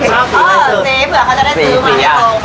เผื่อเขาจะได้ซื้อมาไม่ตรง